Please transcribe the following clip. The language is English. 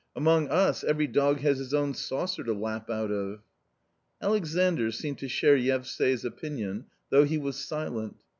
Among us every dog has his own saucer to lap out of." !^ Alexandr seemed to share Yevsay's opinion though he was silent.